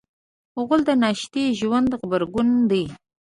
غول د ناستې ژوند غبرګون دی.